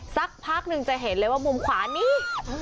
สักพักหนึ่งจะเห็นเลยว่ามุมขวานี้